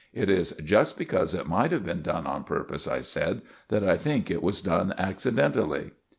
"It is just because it might have been done on purpose," I said, "that I think it was done accidentally."